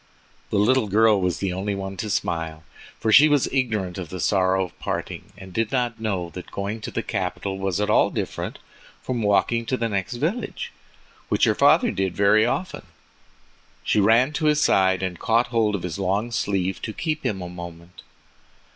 The little girl was the only one to smile, for she was ignorant of the sorrow of parting, and did not know that going to the capital was at all different from walking to the next village, which her father did very often. She ran to his side, and caught hold of his long sleeve to keep him a moment.